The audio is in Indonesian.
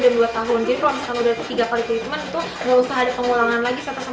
jadi kalau misalkan udah tiga kali treatment tuh gak usah ada pengulangan lagi satu sampai dua tahun